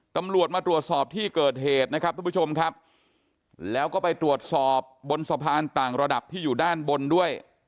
ตำรวจมาตรวจสอบที่เกิดเหตุนะครับทุกผู้ชมครับแล้วก็ไปตรวจสอบบนสะพานต่างระดับที่อยู่ด้านบนด้วย